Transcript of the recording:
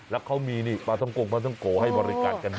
แล้วเขามีปลาท้องโกให้บริการกันด้วย